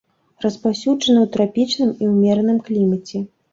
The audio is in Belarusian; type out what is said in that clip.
Распаўсюджаны ў трапічным і ўмераным клімаце.